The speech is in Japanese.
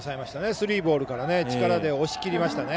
スリーボールから力で押し切りましたね。